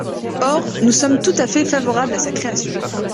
Or nous sommes tout à fait favorables à sa création.